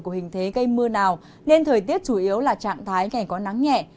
của hình thế gây mưa nào nên thời tiết chủ yếu là trạng thái ngày có nắng nhẹ